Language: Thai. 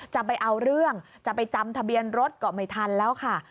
จะเอาเรื่องจะไปจำทะเบียนรถก็ไม่ทันแล้วค่ะ